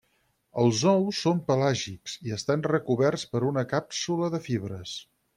Els ous són pelàgics i estan recoberts per una càpsula de fibres.